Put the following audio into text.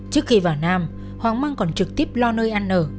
trước khi vào nam hoàng măng còn trực tiếp lo nơi ăn ở